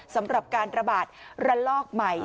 สำหรับการระบาดระลอกใหม่